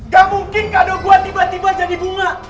gak mungkin kado buat tiba tiba jadi bunga